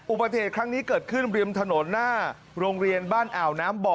อุบัติเหตุครั้งนี้เกิดขึ้นริมถนนหน้าโรงเรียนบ้านอ่าวน้ำบ่อ